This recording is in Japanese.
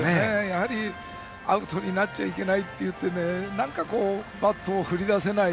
やはりアウトになっちゃいけないといってバットを振り出せない